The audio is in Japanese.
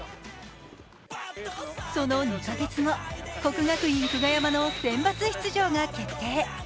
その２カ月後、国学院久我山のセンバツ出場が決定。